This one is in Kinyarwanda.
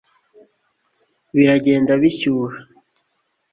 biragenda bishyuha